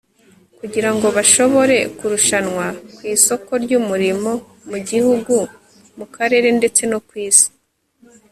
kugira ngo bashobore kurushanwa ku isoko ry'umurimo mu gihugu, mu karere ndetse no ku isi